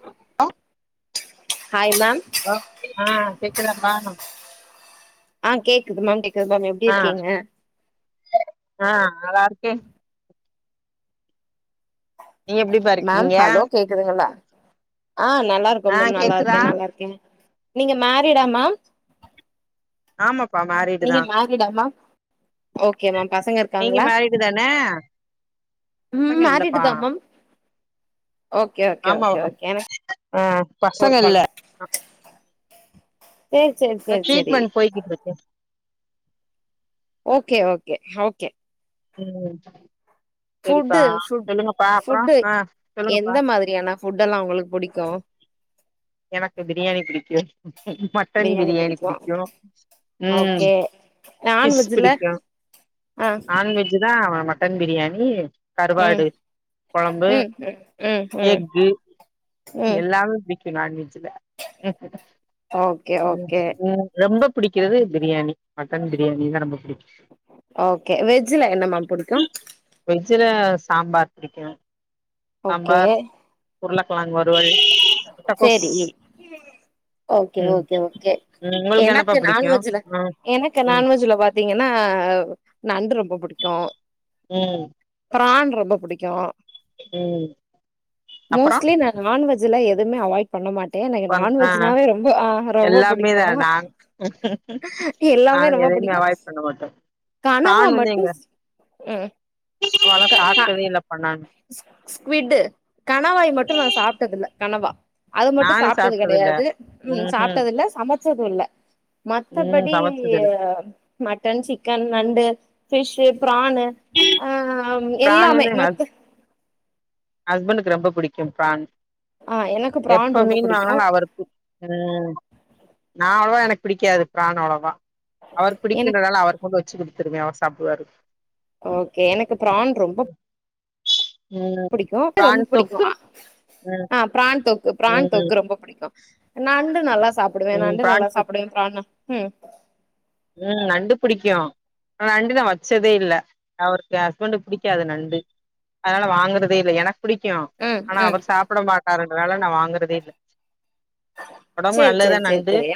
low hi ma'am hello ஆ கேக்குதாப்பா ஆ கேக்குது மேம் கேக்குது மேம் எப்டி இருக்கீங்க அ நல்லா இருக்கே நீ எப்டி பா மேம் இருக்கீங்க ஹலோ கேக்குதுங்களா ஆ நல்லாருக்கோ ஆ மேம் கேக்குதா நல்லாருக்கே நல்லாருக்கே நீங்க மேரிடா மேம் ஆமா நீங்க மேரிடா மேம் ஓகே மேம் பசங்க நீங்க இருக்காங்ளா மேரிடு தான ம் பசங்க மேரிடு இல்லப்பா தா மம் ஓகே ஓகே ஆமா ஓகே ஓகே ஆ பசங்க ஒரு இல்ல கொழந்த சேரி சேர் சேர் சேரி ட்ரீட்மெண்ட் போய்கிட்டு இருக்கு ஓகே ஓகே ஓகே ம் சரிப்பா ஃபுட்டு ஃபுட் சொல்லுங்கப்பா அப்பற ஃபுட்டு ஆ சொல்லுங்கப்பா எந்த மாதிரியான ஃபுட் எல்லா உங்களுக்கு புடிக்கு எனக்கு பிரியாணி பிடிக்கு மட்டன் பிரியாணி பிடிக்கு ம் ஓகே ஃபிஸ் நான்வெஜ்ல பிடிக்கு ஆ நான்வெஜ் தா மட்டன் பிரியணி ம் கருவாடு கொழம்பு ம் ம் ம் ம் எக்கு ம் எல்லாமே பிடி க்கு நான்வெஜ்ல ஓகே ஓகே ம் ரொம்ப புடிக்கிறது பிரியாணி மட்டன் பிரியாணி தா ரொம்ப பிடிக்கு ஓகே வெஜ்ல என்ன மேம் புடிக்கு சில சாம்பார் புடிக்கு ஓகே உருளகெழங்கு வறுவல் முட்டகோஸ் சேரி ஓகே ஓகே ஓகே உங்களுக்கு என்னப்பா எனக்கு பிடிக்கு நான்வெஜ்ல ம் எனக்கு ம் நான்வெஜ்ல பா்த்திங்கனா நண்டு ரொ ரொம்ப புடிக்கு ம் ப்ரான் ரொம்ப புடிக்கு ம் அப்புறோ மோஸ்ட்லி நா நான்வெஜ்ல எதுமே அவாய்ட் பண்ண மாட் எனக்கு பண் ஆ நான்வெஜ்னாவே ரொம்ப அ ரொம்ப எல்லாமே தா புடிக்கு நாங் எல்லாமே நாங்க ரொம்ப அவாய்ட் பண்ண மாட்ட கணவா மட்டு ஸ் அ அம்மாலா க க சாப்ட்டதே இல்லப்பா நானு ஸ் ஸ்குவிட்டு கணவாய் மட்டு நா சாப்ட்டதில்ல கனவா அது மட்டு நானு சாப்ட்டது இல்ல கெடையாது ம் சாப்ட்டதில்ல சமைச்சது இல்ல ம் மத்தபடி சமைச்சது இல்ல மட்டன், சிக்கன், நண்டு, ஃபிஷ்ஷு ப்ரானு அ எல்லாமே மத்த ஹஸ்பெண்டுக்கு ரொம்ப புடிக்கு ப்ரான் ஆ எனக்கு ப்ரான் எப்ப ரொம்ப மீன் புடிக்கு வாங்னாலு அவருக்கு ம் நா அவ்ளவா எனக்கு பிடிக்காது ப்ரான் அவ்ளவா அவருக் எனக் பிடிக்குன்றால அவர்க்கு மட்டு வச்சு குடுத்துருவே அவர் சாப்டுவாரு ஓகே எனக்கு ப்ரான் ரொம்ப ம் புடிக் னோக்கு ரொம்ப பிரான் தொக்கு பிடிக்குமா ம் ஆ ப்ரான் தொக்கு ப்ரான் ம் தொக்கு ரொம்ப புடிக் க்கு நண்டு நல்லா சாப்புடுவே ம் நண்டு நல்லா பிரான் தொக்கு சாப்பிடுவ பிராண ம் ம் நண்டு பிடிக்கு நண்டு நா வச்சதே இல்ல அவருக்கு ஹஸ்பண்ட்க்கு பிடிக்காது நண்டு அதனால வாங்கறதே இல்ல எனக்கு பிடிக்கு ம் ஆனா ம் அவரு சாப்பட மாட்டாருன்றனால நா வாங்கறதே இல்ல ஒடம்புக்கு சேரி நல்லதே சேரி சேரி நண்டு சேரி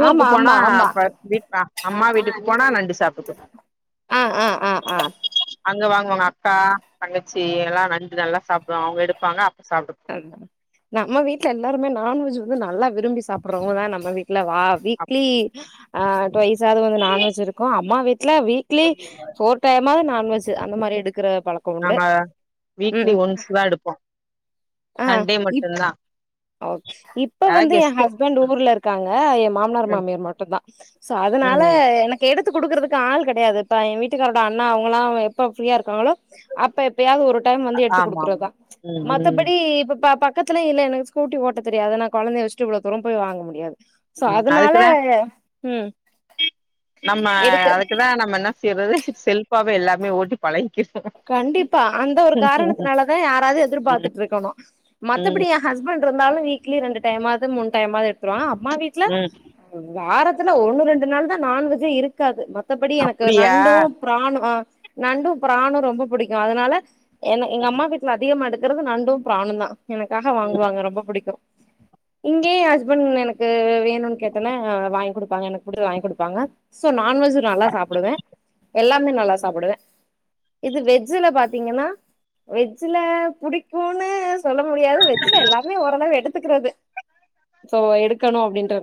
ஊருக்கு ஆமா போனா ஆமா ஆமா அப்ப வீட் அம்மா வீட்டுக்கு போனா நண்டு சாப்டுக்வ ஆ ஆ ஆ ஆ அங்க வாங்குவாங்க அக்கா தங்கச்சி எல்லா நண்டு நல்லா சாப்டுவாங் அவுங்க எடுப்பாங்க அப்ப சாப்ட்டுப்போ நம்ம வீட்டல எல்லாருமே நான்வெஜ் வந்து நல்லா விரும்பி சாப்டறவங்க தா நம்ம வீட் லவா அப் வீக்லி ஆ ட்வைசாது வந்து நான்வெஜ் இருக்கு அம்மா வீட்ல வீக்லி ஃபோர் டைமாது நா ன்வெஜ் அந்த மாரி எடுக்கற நாங்க வீக்லி ஒன்ஸ் தா எடுப்போ ஆ சண்டே இப் மட்டுந்தா ஓகே இப்ப அதா வந்து எ கெஸ்ட்டு ஹஸ்பண்ட் ஊர்ல இருக்காங்க எ மாமனார் ம் மாமியார் மட்டுந்தா சோ அதனால ம் எனக்கு எடுத்து குடுக்கறதுக்கு ஆள் கெடையாதுப்பா எ வீட்டுக்காரோட அண்ணா அவங்களா எப்ப ஃப்ரீயா இருக்காங்களோ அப்ப எப்பயாது ஒரு டைம் வந்து எடுத்து ஆமா ஆமா குடுக்குறதா ம் ம் மத்தபடி இப்ப பா ப க்கத்துல இல்ல எனக்கு ஸ்கூட்டி ஓட்ட தெரியாது நா கொழந்தய வச்சுட்டு இவ்ள தூரம் போய் வாங்க முடியாது சோ ம் அதனால அதுக்குதா ம் நம்ம எடுக்க அதுக்குதா நம்ம என்ன செய்றது ச செல்ஃபாவே எல்லாமே ஓட்டி பழ கண்டிப்பா அந்த ஒரு காரணத்துனாலதா யாராது ம் எதிர்பாத்துட்ருக்கணு மத்தபடி ம் எ ஹஸ்பண்ட் இருந்தாலு வீக்லி ரெண்டு டைமாது மூணு டைமாது எடுத்துருவாங்க அம்மா வீட்ல ம் வாரத் துல ஒண்ணு ரெண்டு நாள் தா நான்வெஜ்ஜே இருக்காது மத்தபடி எனக்கு அப்படியா நண்டு ப்ராண் ஆ நண்டு பிராணு ரொம்ப புடிக்கு அதனால என் எங்க அம்மா வீட்ல அதிகமா எடுத்து இருக்கறது நண்டு பிராணு தா எனக்காக ம் வாங்குவாங்க ரொம்ப புடிக்கு இங்கே ஹஸ்பண்ட் எனக்கு வேணும்ன்னு கேத்தேனே வாங்கி கொடுப்பாங்க எனக்கு புடிச்சத வாங்கி கொடுப்பாங்க சோ ந நான்வெஜ்ஜ் நல்லா சாப்டுவே எல்லாமே நல்லா சாப்டுவே இது வெஜ்ஜல பாத்தீங்கன்னா வெஜ்ஜ்ல புடிக்கூனு சொல்ல முடியாது வெஜ்ல எல்லாமே ஓரளவு எடுத்துக்கிறது சோ எடுக்கணு அப்டின்றது